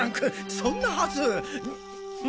そんなはず。